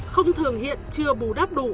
không thường hiện chưa bù đắp đủ